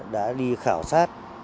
đã đi khảo sát